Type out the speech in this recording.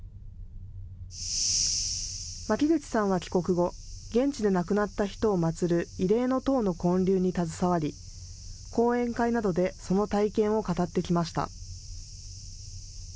巻口さんは帰国後、現地で亡くなった人を祭る慰霊の塔の建立に携わり講演会などでその体験を語ってきました。